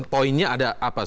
poinnya ada apa